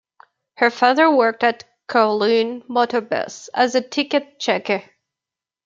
Her father worked at Kowloon Motor Bus as a ticket checker.